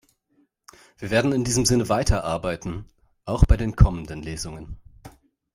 Wir werden in diesem Sinne weiter arbeiten, auch bei den kommenden Lesungen.